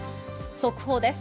速報です。